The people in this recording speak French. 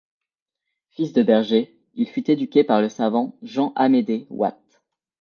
Fils de berger, il fut éduqué par le savant Jean-Amédée Watt.